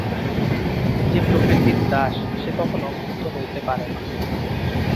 যে প্রকৃতির দাস, সে কখনও মুক্ত হইতে পারে না।